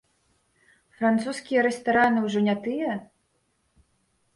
Французскія рэстараны ўжо не тыя?